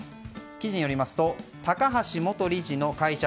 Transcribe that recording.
記事によりますと高橋元理事の会社。